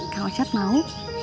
kang ocat mau